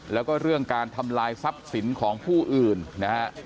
แล้วก็เรื่องการทำลายทรัพย์สินของผู้อื่นนะฮะ